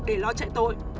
để lo trại tội